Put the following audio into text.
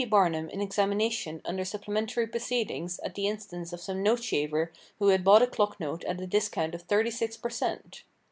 Barnum in examination under supplementary proceedings at the instance of some note shaver who had bought a clock note at a discount of thirty six per cent.